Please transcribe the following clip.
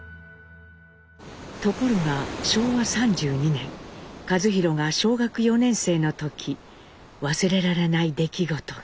ところが昭和３２年一寛が小学４年生の時忘れられない出来事が。